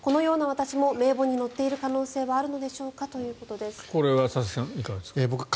このような私も名簿に載っている可能性はあるのでしょうかということです。